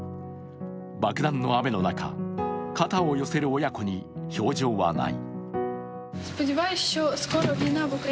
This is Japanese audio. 爆弾の雨の中、肩を寄せる親子に表情はない。